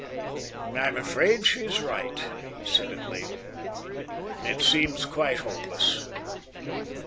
"I'm afraid she's right," he said at length. "It seems quite hopeless.